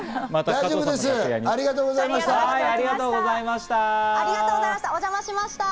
大丈夫です、ありがとうございました。